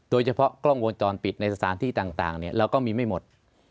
โดยเฉพาะกล้องวงจรปิดในสถานที่ต่างเราก็มีไม่หมด